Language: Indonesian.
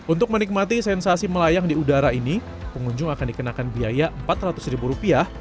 untuk menikmati sensasi melayang di udara ini pengunjung akan dikenakan biaya empat ratus ribu rupiah